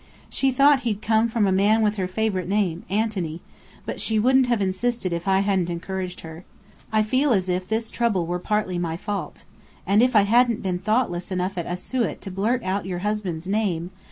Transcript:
She thought he'd come from a man with her favourite name, Antony: but she wouldn't have insisted if I hadn't encouraged her. I feel as if this trouble were partly my fault. And if I hadn't been thoughtless enough at Asiut to blurt out your husband's name